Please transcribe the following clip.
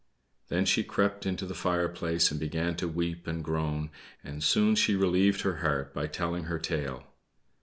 Then she crept into the fireplace and began to weep and groan; and soon she relieved her heart by telling her tale.